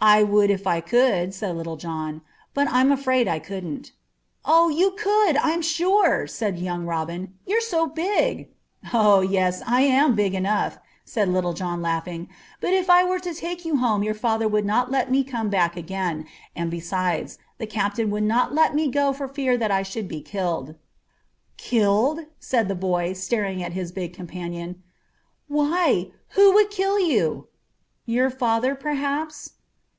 "I would if I could," said Little John; "but I'm afraid I couldn't." "Oh! you could, I'm sure," said young Robin. "You're so big." "Oh! yes, I'm big enough," said Little John, laughing; "but if I were to take you home your father would not let me come back again; and besides, the captain would not let me go for fear that I should be killed." "Killed?" said the boy, staring at his big companion. "Why, who would kill you?" "Your father, perhaps."